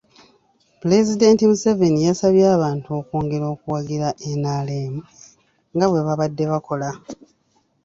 Pulezidenti Museveni yasabye abantu okwongera okuwagira NRM nga bwe babadde bakola.